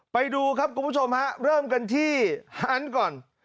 ไปดูครับคุณผู้ชมฮะเริ่มกันที่ฮันต์ก่อน